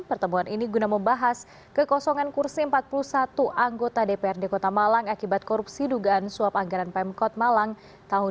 pertemuan ini guna membahas kekosongan kursi empat puluh satu anggota dprd kota malang akibat korupsi dugaan suap anggaran pemkot malang tahun dua ribu dua puluh